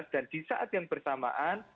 di saat yang bersamaan